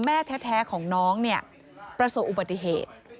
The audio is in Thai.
แม่แท้ของน้องเนี่ยประสบอุบัติเหตุ